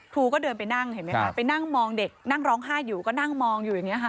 ก็เดินไปนั่งเห็นไหมคะไปนั่งมองเด็กนั่งร้องไห้อยู่ก็นั่งมองอยู่อย่างนี้ค่ะ